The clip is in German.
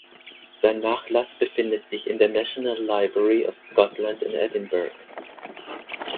Sein Nachlass befindet sich in der National Library of Scotland in Edinburgh.